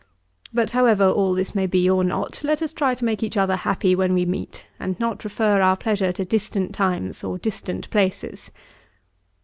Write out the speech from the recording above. But however all this may be or not, let us try to make each other happy when we meet, and not refer our pleasure to distant times or distant places.